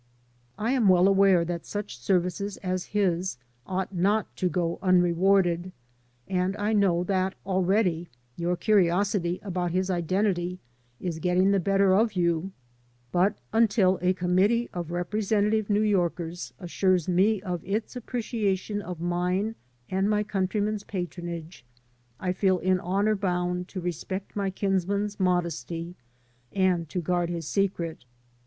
I am well aware that such services as his ought not to go unrewarded, and I know that already your curiosity about his identity is getting the better of you, but until a committee of representative New Yorkers assures me of its appreciation of mine and my countrymen^s patronage, I feel in honor bound to respect my kins man's modesty and to guard his secret.